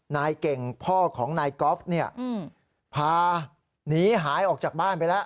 นายเก่งพ่อของนายกอล์ฟเนี่ยพาหนีหายออกจากบ้านไปแล้ว